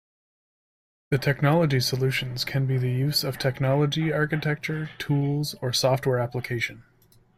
The technology solutions can be the use of technology architecture, tools, or software application.